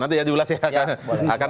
nanti ya diulas ya